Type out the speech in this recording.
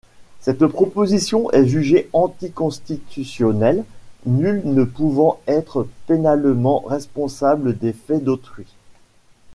Cette proposition est jugée anticonstitutionnelle, nul ne pouvant être pénalement responsable des faits d’autrui.